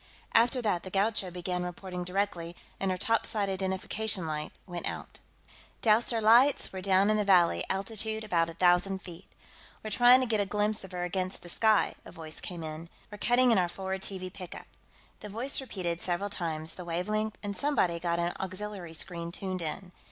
After that, the Gaucho began reporting directly, and her topside identification light went out. "... doused our lights; we're down in the valley, altitude about a thousand feet. We're trying to get a glimpse of her against the sky," a voice came in. "We're cutting in our forward TV pickup." The voice repeated, several times, the wavelength, and somebody got an auxiliary screen tuned in.